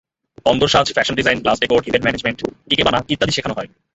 অন্দরসাজ, fashion design, glass decor, event management, ikebana ইত্যাদি শেখানো হয়।